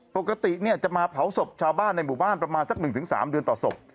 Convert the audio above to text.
ปกติจะมาเผาศพชาวบ้านในหมู่บ้านประมาณสัก๑๓เดือนต่อศพ